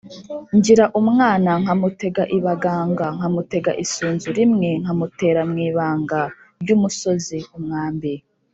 Ngira umwana nkamutega ibanganga nkamutega isunzu rimwe nkamutera mu ibanga ry'umusozi-Umwambi.